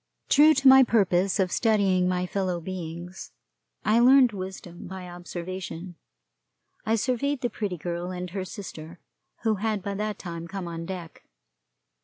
True to my purpose of studying my fellow beings, and learning wisdom by observation, I surveyed the Pretty Girl and her sister, who had by that time come on deck.